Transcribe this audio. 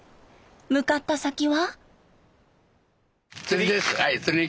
向かった先は。